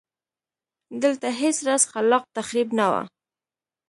دلته هېڅ راز خلاق تخریب نه و.